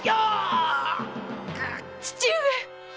父上！